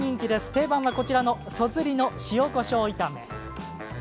定番は、こちらのそずりの塩こしょう炒め。